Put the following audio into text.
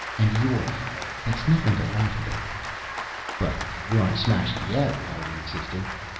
And yours. That's nothing to laugh about." "But we aren't smashed yet!" Larry insisted.